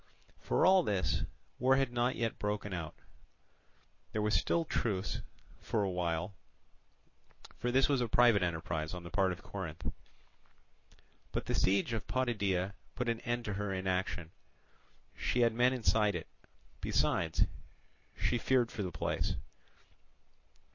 For all this, war had not yet broken out: there was still truce for a while; for this was a private enterprise on the part of Corinth. But the siege of Potidæa put an end to her inaction; she had men inside it: besides, she feared for the place.